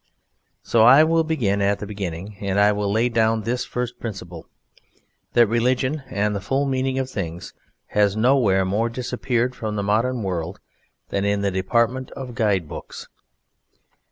So I will begin at the beginning and I will lay down this first principle, that religion and the full meaning of things has nowhere more disappeared from the modern world than in the department of Guide Books.